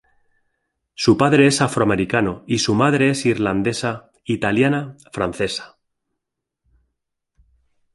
Su padre es afroamericano y su madre es irlandesa, italiana, francesa.